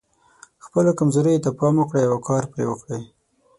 خپلو کمزوریو ته پام وکړئ او کار پرې وکړئ.